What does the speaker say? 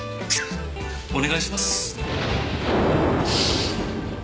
お願いします。